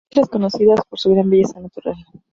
Son islas conocidas por su gran belleza natural.